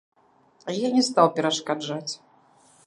Я не стаў перашкаджаць.